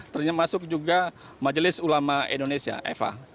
termasuk juga majelis ulama indonesia eva